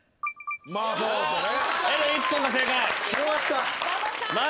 まあそうですよね。